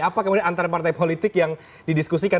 apa kemudian antara partai politik yang didiskusikan